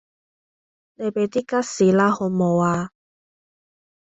你俾啲吉士啦好無呀